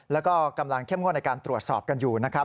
แล้วก็กำลังเข้มงวดในการตรวจสอบกันอยู่นะครับ